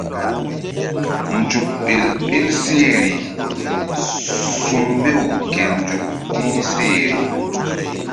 Nzuk ɓel ɓil sehri su̧mbew ke nzuk ti̧h sehri.